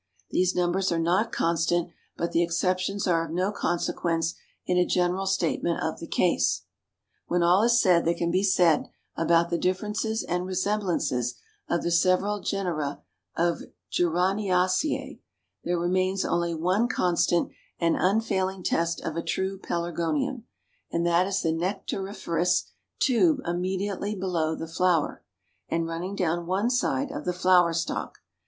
These numbers are not constant, but the exceptions are of no consequence in a general statement of the case. "When all is said that can be said about the differences and resemblances of the several genera of Geraniaceæ, there remains only one constant and unfailing test of a true Pelargonium, and that is the nectariferous tube immediately below the flower, and running down one side of the flower stalk.